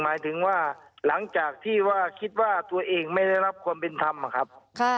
หมายถึงว่าหลังจากที่ว่าคิดว่าตัวเองไม่ได้รับความเป็นธรรมนะครับ